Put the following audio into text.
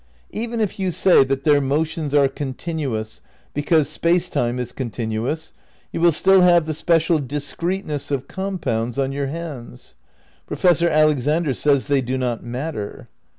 Even if you say that their motions are continuous, because Space Time is continuous, you will still have the special discreteness of compounds on your hands. Professor Alexander says they do not matter.